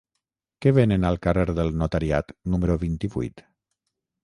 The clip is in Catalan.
Què venen al carrer del Notariat número vint-i-vuit?